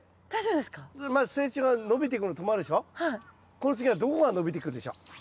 この次はどこが伸びてくるでしょう？